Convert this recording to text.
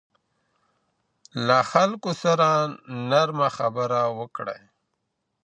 له خلکو سره نرمه خبره وکړئ.